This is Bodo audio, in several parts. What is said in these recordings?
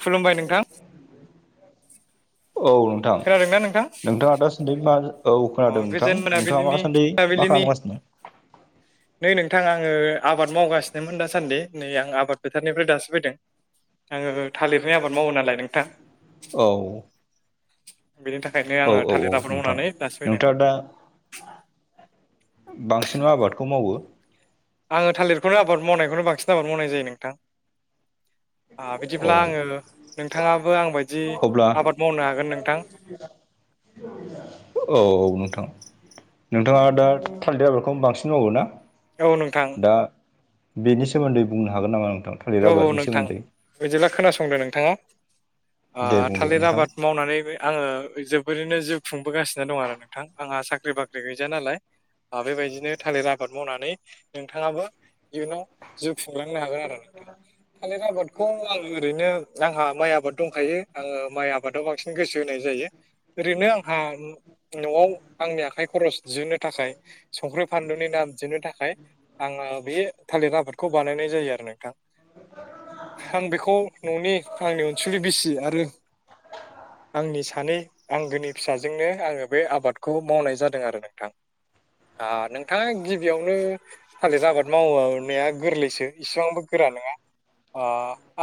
खुलुमबाय नोंथां। औ नोंथां खोनादोंना नोंथां नोंथाङा दासान्दि मा औ अ खोनादों नोंथां गोजोन नोंथाङा मोनाबिलिनि माासान्दि मा मोनाबिलिनि खालामगासिनो [inaudible] नै नोंथां आङो आबाद मावगासिनोमोन दासान्दि नै आं आबाद फोथारनिफ्राय दासो फैदों आङो थालिरनि आबाद मावो नालाय नोंथां। औ। बेनि थाखायनो आङो थालिर लाफोर मावनानै दासो फैदों नोंथाङ दा बांसिन आबादखौ मावो आङो थालिरखौनो आबाद मावनायखौनो बांसिन आबाद मावनाय जायो नोंथां। औ बिदिब्ला आङो नोंथाङाबो आं बायदि अब्ला औ औ नोंथां नोंथाङा दा थालदिर आबादखौनो बांसिन मावो ना। औ नोंथां दा बेनि सोमोन्दै बुंनो हागोन नामा नोंथां। थालिर औ औ आबादनि नोंथां सोमोन्दै बिदिब्ला खोनासंदो नोंथाङा दे बुंदो थालिर नोंथां मावनानै आङो जोबोरैनो जिउ खुंबोगासिनो दं आरो नोंथां आंहा साख्रि बाख्रि गैजाया नालाय। बेबायदिनो थालिर आबाद मावनानै नोंथाङाबो इयुनाव जिउ खुंलांनो हागोन आरो ना बे आबादखौ आं ओरैनो आंहा माइ आबाद दंखायो आङो माइ आबादाव बांसिन गोसो होनाय जायो। ओरैनो आंहा न'आव आंनि आखाइ खरस दिहुनो थाखाय संख्रि फानलुनि नाम दिहुननो थाखाय। आङो बे थालिर आबादखौ बानायनाय जायो आरो नोंथां [unintelligible] आं बेखौ न'नि आंनि अनसुलि बिसि आरो [unintelligible] आंनि सानै आंगोनि फिसाजोंनो आङो बे आबादखौ मावनाय जादों आरो नोंथां। नोंथाङा गिबियावनो थालिर आबाद मावनाया गोरलैसो इसिबांबो गोरा नङा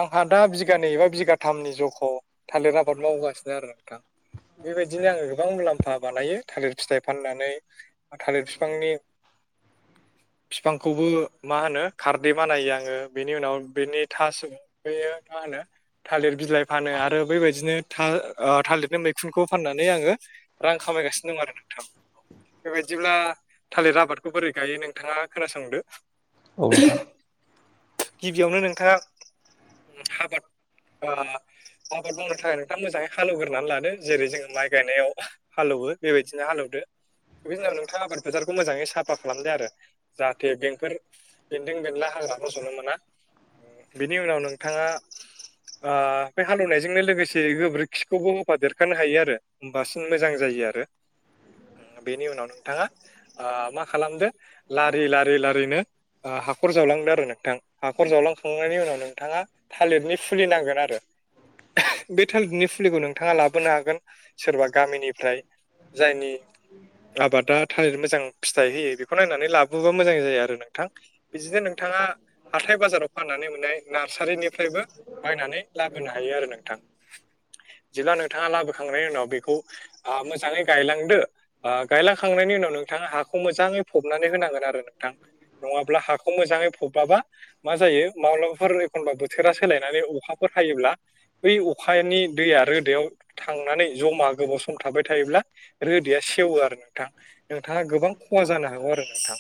आंहा दा बिगानै बा बिगाथामनि जखौ थालिर आबाद मावबोगासिनो आरो बेबायदिनो आङो गोबां मुलाम्फा बानायो थालिर फिथाइ फाननानै थालिर बिफांनि बिफांखौबो मा होनो खारदे बानायो आङो। बेनि उनाव बिनि थास बेयो मा होनो। थालिर बिलाइ फानो आरो बेबायदिनो थालिरनि मैखुनखौ फाननानै आङो। रां खामायगासिनो दं आरो नोंथां। बेबायदिब्ला थालिर आबादखौ बोरै गायो नोंथाङा खोनासंदो। औ नोंथां गिबियावनो नोंथाङा आबाद। आबाद मावनो थाखाय नोंथाङा मोजाङै हालेवग्रनानै लादो जेरै जोङो माइ गायनायाव हालेवो बेबायदिनो हालेवदो बे जनाव नोंथां आबाद फोथारखौ मोजाङै साफा खालामदो आरो जाहाथे बेंकफोर बेन्दों बेनला हाग्रा मज'नो मोना बिनि उनाव नोंथाङा बे हालेवनायजोंनो लोगोसे गोबोरखिखौबो होफादेरखानो हायो आरो बांसिन मोजां जायो आरो बेनि उनाव नोंथाङा मा खालामदो लारि लारि लारिनो हाखर जावलांदो आरो नोंथां हाखर जावलांखांनायनि उनाव नोंथाङा थालिरनि फुलि नांगोन आरो बे थालिरनि फुलिखौ नोंथाङा लाबोनो हागोन सोरबा गामिनिफ्राय जायनि आबादा थालिर मोजां फिथाइ होयो बेखौ नायनानै लाबोबा मोजां जायो आरो नोंथां बिदिनो नोंथाङा हाथथाय बाजाराव फाननानै मोननाय नार्सारिनिफ्रायबो बायनानै लाबोनो हायो आरो नोंथां जेब्ला नोंथाङा लाबोखांनायनि उनाव बेखौ मोजाङै गायलांदो गायलाखांनायनि उनाव नोंथाङा हाखौ मोजाङै फबनानै होनांगोन आरो नोंथां। नङाब्ला हाखौ मोजाङै फबबाबा मा जायो माब्लाबाफोर एखनबा बोथोरा सोलायनानै अखाफोर हायोब्ला बै अखानि दैया रोदायाव थांनानै जमा गोबाव सम थाबाय थायोब्ला रोदया सेवो आरो नोंथां नोंथाङा गोबां खहा जानो हागौ आरो नोंथां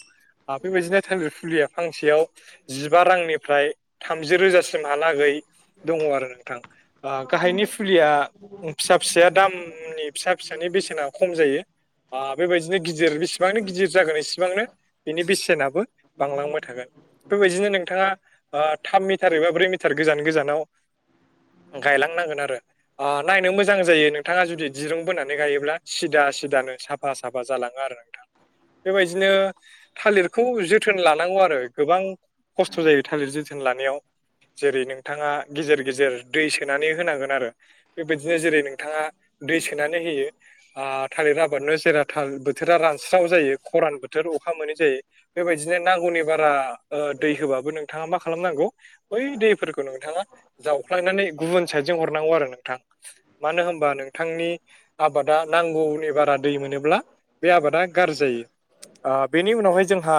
बेबायदिनो थालिर फुलिया फांसेयाव जिबा रांनिफ्राय थामजि रोजासिमहालागै दङ आरो नोंथां गाहायनि फुलिया फिसा फिसाया दामनि फिसा फिसानि बेसेना खम जायो मा बेबायदिनो गिदिर बेसिबांनो गिदिर जागोन इसिबांनो बिनि बेसेनाबो बांलांबाय थागोन। बेबायदिनो नोंथाङा थाम मिटार एबा ब्रै मिटार गोजान गोजानाव गायलांनांगोन आरो नायनो मोजां जायो नोंथाङा जुदि दिरुं बोनानै गायोब्ला सिदा सिदानो साब हा सा जालाङो आरो नोंथां। बेबायदिनो थालिरखौ जोथोन लानांगौ आरो गोबां खस्थ' जायो थालिर जोथोन लानायाव जेरै नोंथाङा गेजेर गेजेर दै सोनानै होनांगोन आरो। बेबायदिनो जेरै नोंथाङा दै सोनानै होयो आ थालिर आबादनो जेरा थाल बोथोरा रानस्राव जायो खरान बोथोर अखा मोनै जायो बेबायदिनो नांगौनि बारा दै होबाबो नोंथाङा मा खालामनांगौ बै दैफोरखौ नोंथाङा जावफ्लांनानै गुबुन साइदजों हरनांगौ आरो नोंथां मानो होनबा नोंथांनि आबादा नांगौनि बारा दै मोनोब्ला बे आबादा गाज्रि जायो बेनि उनावहाय जोंहा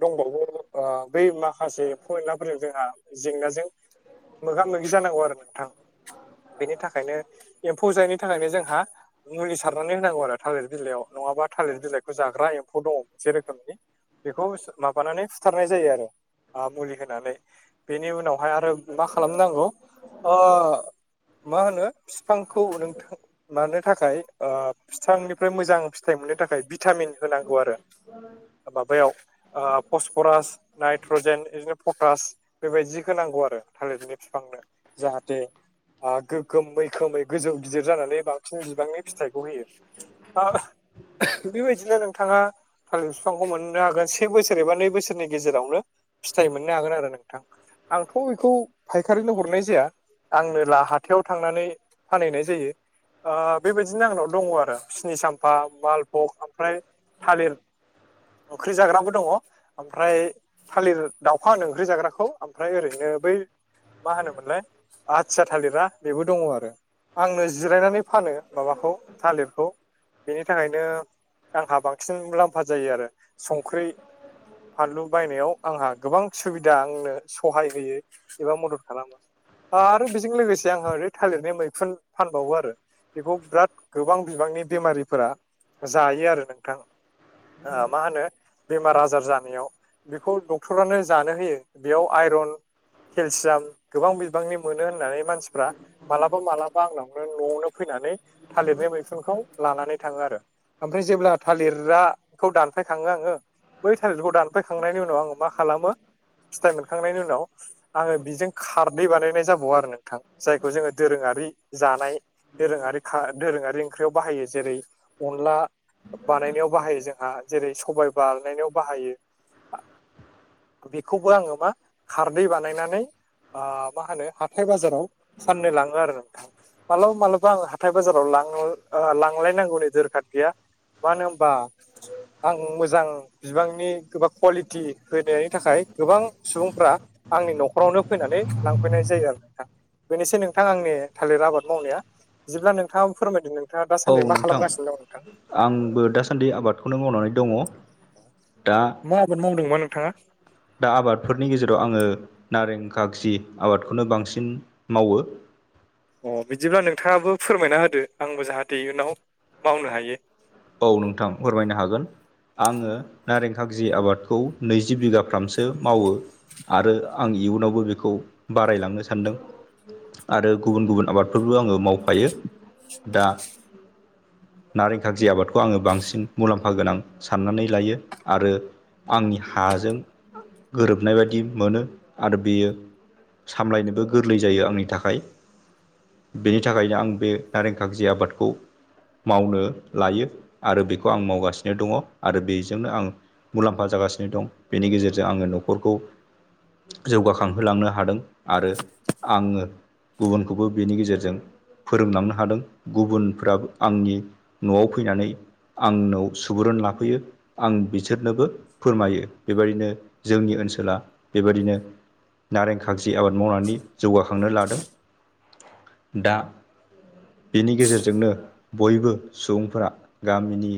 दंबावो बै माखासे एमफौफोरजों जोंहा जेंनाजों मोगा मोगि जानांगौ आरो नोंथां। बेनि थाखायनो एम्फौ जायैनि थाखायनो जोंहा मुलि सारनानै होनांगौ आरो थालिर बिलाइयाव नङाबा थालिर बिलाइखौ जाग्रा एम्फौ दङ मोनसे रोखोमनि बेखौ माबानानै फुथारनाय जायो आरो मुलि होनानै बेनि उनावहाय आरो मा खालामनांगौ मा होनो बिफांखौ नोंथां। मानो थाखाय फिथांनिफ्राय मोजां फिथाइ मोननो थाखाय भिटामिन होनांगौ आरो माबायाव फरास नाइट्रजेन बिदिनो पटास बेबायदिखौ नांगौ आरो थालिरनि बिफांनो जाहाथे गोमै खोमै गोजौ गिदिर जानानै बांसिन बिबांनि फिथाइखौ होयो आ बेबायदिनो नोंथाङा थालिर बिफांखौ मोननो हागोन से बोसोर एबा नै बोसोर नि गेजेरावनो फिथाइ मोननो हागोन आरो नोंथां आंथ' बेखौ फायखारिनो हरनाय जाया। आंनो ला हाथायाव थांनानै फानहैनाय जायो आ बेबायदिनो आंनाव दङ आरो सिनि साम्फा मालभक ओमफ्राय थालिर ओंख्रि जाग्राबो दङ ओमफ्राय थालिर दावखा होनो ओंख्रि जाग्राखौ ओमफ्राय ओरैनो बै मा होनोमोनलाय आथिया थालिरा बेबो दङ आरो आंनो जिरायनानै फानो माबाखौ थालिरखौ बेनि थाखायनो आंहा बांसिन मुलाम्फा जायो आरो संख्रि फानलु बायनायाव आंहा गोबां सुबिदा आंनो सहाय होयो एबा मदद खालामो आरो बेजों लोगोसे आंहा ओरै थालिरनि मैखुन फानबावो आरो बेखौ बिराद गोबां बिबांनि बेमारिफोरा जायो आरो नोंथां मा होनो बेमार आजार जा नायाव बेखौ डक्टरानो जानो होयो बेयाव आइरन केलसियाम गोबां बिबांनि मोनो होननानै मानसिफ्रा मालाबा मालाबा आंनावनो न'आवनो फैनानै थालिरनि मैखुनखौ लानानै थाङो आरो ओमफ्राय जेब्ला थालिराखौ दानफाय खाङो आङो थालेरखौ दानफायखांनायनि उनाव आङो मा खालामो फिथाइ मोनखांनायनि उनाव आङो बेजों खारदै बानायनाय जाबावो आरो नोंथां जायखौ जोङो दोरोङारि जानाय दोरोङारि खा दोरोङारि ओंख्रियाव बाहायो जेरै अनला बानायनायाव बाहायो जोंहा जेरै सबायाइ बानायनायाव बाहायो बेखौबो आङो मा खारदै बानायनानै आ मा होनो हाथाय बाजाराव फाननो लाङो आरो नोंथां मालाबा मालाबा आं हाथाय बाजाराव लांलायनांगौनि दोरखार गैया मानोहोनबा आं मोजां बिबांनि गोबां कुवालिटि होनायनि थाखाय गोबां सुबुंफ्रा आंनि न'खरावनो फैनानै लांफैनाय जायो आरो नोंथां बेनोसै नोंथां आंनि थालिर आबाद मावनाया जेब्ला नोंथाङा फोरमायदो नोंथाङा दासान्दि औ मा नोंथां खालामगासिनो दं नोंथां आंबो दासान्दि आबादखौनो मावनानै दङ दा मा आबाद मावदोंबा नोंथाङा दा आबादफोरनि गेजेराव आङो नारें खागजि आबादखौनो बांसिन मावो अ बिदिब्ला नोंथाङाबो फोरमायना होदो आंबो जाहाथे इयुनाव मावनो हायो औ नोंथां फोरमायनो हागोन आङो नारें खागजि आबादखौ नैजि बिगाफ्रामसो मावो आरो आं इयुनावबो बेखौ बारायलांनो सानदों आरो गुबुन गुबुन आबादफोरबो आङो मावफायो दा नारे खागजि आबाद खौ आङो बांसिन मुलाम्फा गोनां साननानै लायो आरो आंनि हाजों गोरोबनाय बायदि मोनो आरो बेयो सामलायनोबो गोरलै जायो आंनि थाखाय बेनि थाखायनो आं बे नारें खारजि आबादखौ मावनो लायो आरो बेखौ आं मावगासिनो दङ आरो बेजोंनो आं मुलाम्फा जागासिनो दं बेनि गेजेरजों आङो न'खरखौ जौगाखांहोलांनो हादों आरो आङो गुबुनखौबो बेनि गेजेरजों फोरोंलांनो हादों गुबुनफोराबो आंनि न'आव फैनानै आंनाव सुबुरुन लाफैयो आं बिसोरनोबो फोरमायो बेबायदिनो जोंनि ओनसोला बेबायदिनो नारें खागजि आबाद मावनानै जौगाखांनो लादों दा बेनि गेजेरजोंनो बयबो सुबुंफोरा गामिनि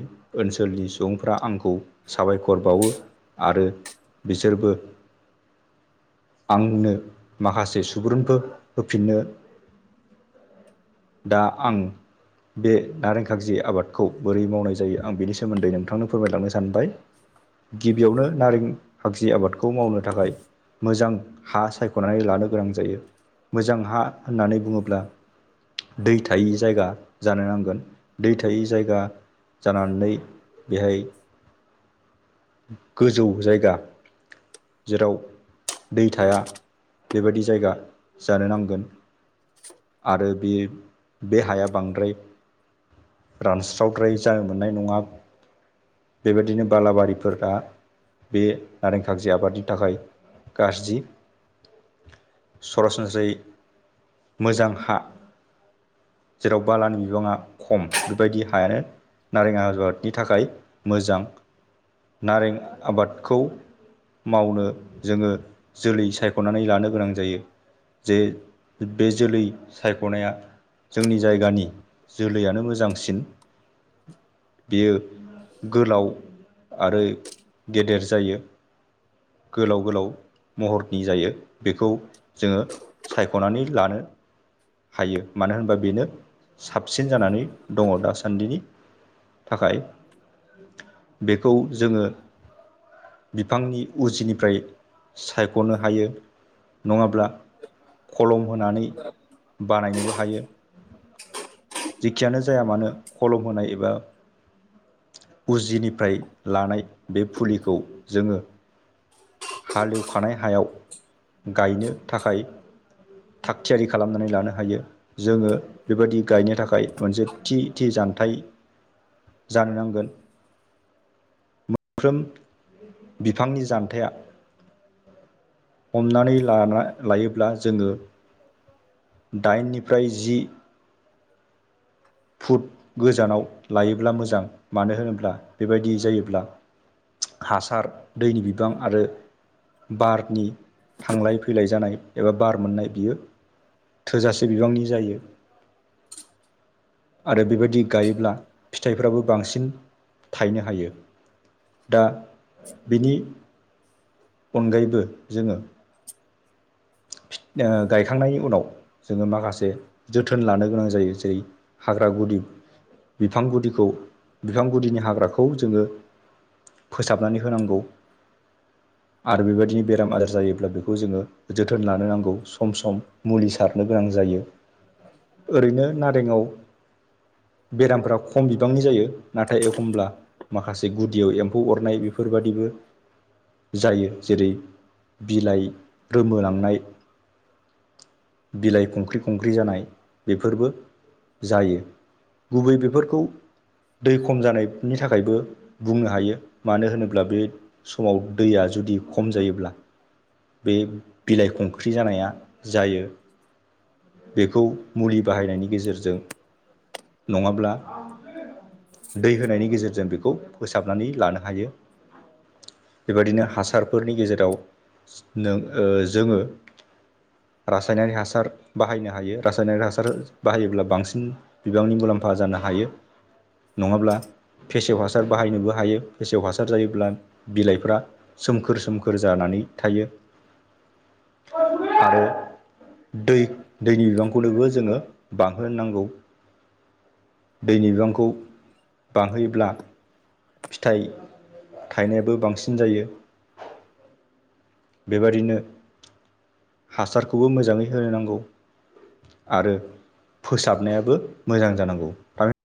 ओनसोलनि सुबुंफ्रा आंखौ साबायखर बावो आरो बिसोरबो आंनो माखासे सुबुरुनखौ होफिननो दा आं बे नारें खागजि आबादखौ बोरै मावनाय जायो आं बिनि सोमोन्दै नोंथांनो फोरमायलांनो सानबाय गिबियावनो नारें खाखसि आबादखौ मावनो थाखाय मोजां हा सायख'नानै लानो गोनां जायो मोजां हा होननानै बुङोब्ला दै थायै जायगा जानो नांगोन दै थायै जायगा जानानै बेहाय गोजौ जायगा जेराव दै थाया बेबायदि जायगा जानो नांगोन आरो बे बे हाया बांद्राय रान सावद्राय जानो मोननाय नङा बेबायदिनो बालाबारिफोरा बे नारें खागजि आबादनि थाखाय गाज्रि सरासनस्रायै मोजां हा जेराव बालानि बिबाङा खम बेबायदि हानो नारें आबादनि थाखाय मोजां नारें आबादखौ मावनो जोङो जोलै सायख'नानै लानो गोनां जायो जे बे जोलै सायख'नाया जोंनि जायगानि जोलैयानो मोजांसिन बेयो गोलाव आरो गेदेर जायो गोलाव गोलाव महरनि जायो बेखौ जोङो सायख'नानै लानो हायो मानो होनोबा बेनो साबसिन जानानै दङ दा सा नदिनि थाखाय बेखौ जोङो बिफांनि उजिनिफ्राय सायख'नो हायो नङाब्ला खलम होनानै बानायनोबो हायो [inaudible] जेखियानो जाया मानो खलम होनाय एबा उजिनिफ्राय लानाय बे फुलिखौ जोङो हालेवखानाय हायाव गायनो थाखाय थाग थियारि खालामनानै लानो हायो जोङो बेबायदि गायनो था थाखाय मोनसे थि थि जान्थाइ जानो नांगोन मोनफ्रोम बिफांनि जान्थाया हमनानै लाना लायोब्ला जोङो दाइननिफ्राय जि [inaudible] फुड गोजानाव लायोब्ला मोजां मानो होनोब्ला बेबायदि जायोब्ला हासार दैनि बिबां आरो बारनि थांलाय फैलाय जानाय एबा बार मोननाय बियो थोजासे बिबांनि जायो आरो बेबायदि गायोब्ला फिथाइफ्राबो बांसिन थायनो हायो दा बिनि अनगायैबो जोङो गायखांनायनि उनाव जोङो माखासे जोथोन लानो गोनां जायो जेरै हाग्रा गुदि बिफां गुदिखौ बिफां गुदिनि हाग्राखौ जोङो फोसाबनानै होनांगौ आरो बेबायदिनो बेराम आजार जायोब्ला बेखौ जोङो जोथोन लानो नांगौ सम सम मुलि सारनो गोनां जायो ओरैनो नारेङाव बेरामफोरा खम बिबांनि जायो नाथाय एखमब्ला माखासे गुदियाव एम्फौ अरनाय बेफोरबादिबो जायो जेरै बिलाइ रोमोनांनाय बिलाइ खंख्रि खंख्रि जानाय बेफोरबो जायो। गुबै बेफोरखौ दै खम जानायनि थाखायबो बुंनो हायो। मानो होनोब्ला बे समाव दैया जुदि खम जायोब्ला बे बिलाइ खंख्रि जानाया जायो। बेखौ मुलि बाहायनायनि गेजेरजों नङाब्ला दै होनायनि गेजेरजों बेखौ फोसाबनानै लानो हायो। बेबायदिनो हासारफोरनि गेजेराव नों जोङो रासायनारिक हासार बाहायनो हायो रासायनारिक हासार बाहायोब्ला बांसिन बिबांनि मुलाम्फा जानो हायो नङाब्ला फेसेव हासार बाहायनोबो हायो फेसेव हासार जायोब्ला बिलाइफ्रा सोमखोर सोमखोर जानानै थायो आरो दै दैनि बिबांखौनोबो जोङो बांहोनो नांगौ। दैनि बिबांखौ बांहोयोब्ला फिथाइ थायनायाबो बांसिन जायो। बेबादिनो हासारखौबो मोजाङै होन नांगौ आरो फोसाबनायाबो मोजां जानांगौ